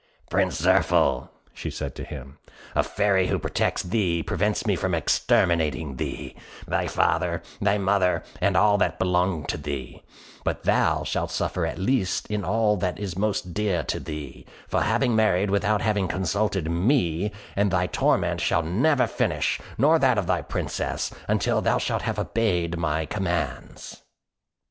"Prince Zirphil," said she to him, "a fairy who protects thee prevents me from exterminating thee, thy father, thy mother, and all that belong to thee: but thou shalt suffer at least in all that is most dear to thee, for having married without having consulted me, and thy torment shall never finish, nor that of thy Princess, until thou shalt have obeyed my commands."